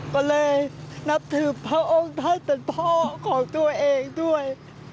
ก็เลยนับถือพระองค์ท่านเป็นพ่อของตัวเองด้วย